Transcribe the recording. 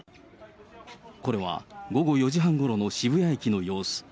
これは、午後４時半ごろの渋谷駅の様子。